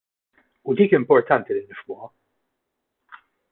U dik importanti li nifhmuha.